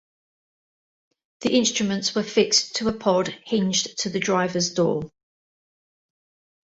The instruments were fixed to a pod hinged to the drivers door.